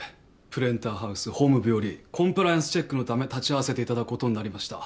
プレンターハウス法務部よりコンプライアンスチェックのため立ち会わせていただくことになりました。